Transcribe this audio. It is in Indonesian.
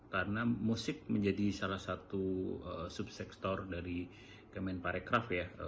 karena musik menjadi salah satu subsektor dari kemen parekraf ya